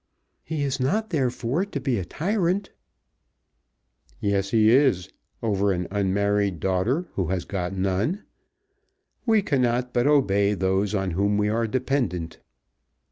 "But he is not, therefore, to be a tyrant." "Yes he is; over an unmarried daughter who has got none. We cannot but obey those on whom we are dependent."